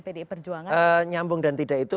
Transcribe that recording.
pdi perjuangan nyambung dan tidak itu